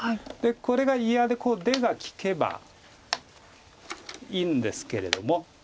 これが嫌で出が利けばいいんですけれども。